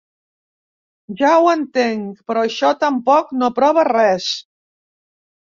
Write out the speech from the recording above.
Ja ho entenc, però això tampoc no prova res.